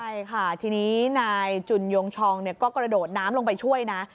ใช่ค่ะทีนี้นายจุนยงชองก็กระโดดน้ำลงไปช่วยนะ